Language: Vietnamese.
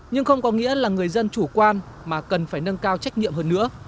nhưng không có nghĩa là người dân chủ quan mà cần phải nâng cao trách nhiệm hơn nữa